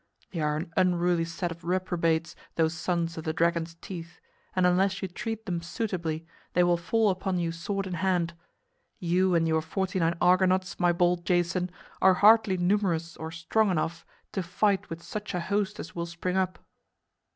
They are an unruly set of reprobates, those sons of the dragon's teeth, and unless you treat them suitably, they will fall upon you sword in hand. You and your forty nine Argonauts, my bold Jason, are hardly numerous or strong enough to fight with such a host as will spring up."